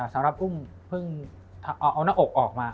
สำหรับอุ้มเพิ่งเอาหน้าอกออกมา